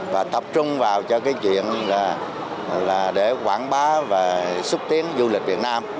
và tập trung vào chuyện quảng bá và xúc tiến du lịch việt nam